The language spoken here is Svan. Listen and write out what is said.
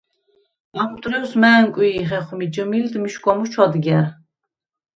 ამ დრუ̂ეუ̂ს მა̈ნკუ̂ი̄ ხეხუ̂მი ჯჷმილდ მიშგუ̂ა მუ ჩუ̂ადგა̈რ.